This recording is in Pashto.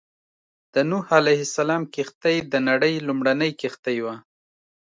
د نوح عليه السلام کښتۍ د نړۍ لومړنۍ کښتۍ وه.